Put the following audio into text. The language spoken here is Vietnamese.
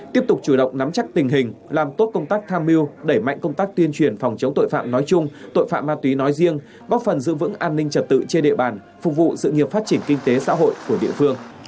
tiếp tục chủ động nắm chắc tình hình làm tốt công tác tham mưu đẩy mạnh công tác tuyên truyền phòng chống tội phạm nói chung tội phạm ma túy nói riêng bóc phần giữ vững an ninh trật tự trên địa bàn phục vụ sự nghiệp phát triển kinh tế xã hội của địa phương